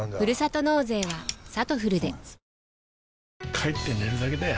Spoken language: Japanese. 帰って寝るだけだよ